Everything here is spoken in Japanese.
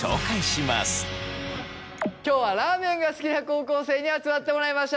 今日はラーメンが好きな高校生に集まってもらいました。